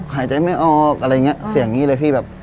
หายใจไม่ออกอะไรอย่างนี้เสียงนี้เลยพี่แบบ